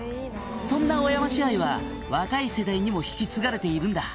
「そんな小山市愛は若い世代にも引き継がれているんだ」